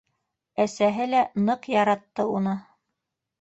Әсәһе лә ныҡ яратты уны.